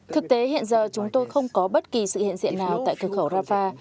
thực tế hiện giờ chúng tôi không có bất kỳ sự hiện diện nào tại cửa khẩu rafah